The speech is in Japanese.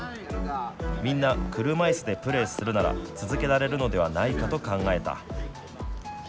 みんな車いすでプレーするなら続けられるのではないかと考えた。